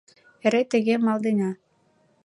Эре тыге малдена...